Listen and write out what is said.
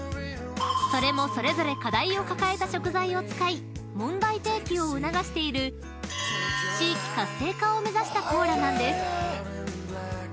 ［それもそれぞれ課題を抱えた食材を使い問題提起を促している地域活性化を目指したコーラなんです］